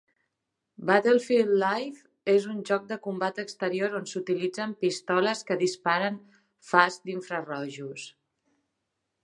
Battlefield Live és un joc de combat exterior on s"utilitzen pistoles que disparen fas d'infrarojos.